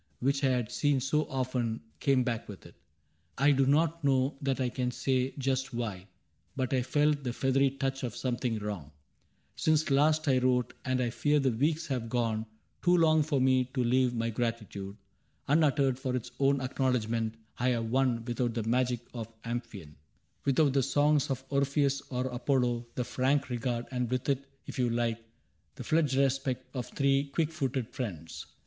Which I had seen so often, came back with it. I do not know that I can say just why, But I felt the feathery touch of something wrong :—" Since last I wrote — and I fear the weeks have gone Too long for me to leave my gratitude Unuttered for its own acknowledgment — I have won, without the magic of Amphion 42 CAPTAIN CRAIG Without the songs of Orpheus or Apollo, The frank regard — and with it, if you like, The fledged respect — of three quick footed friends.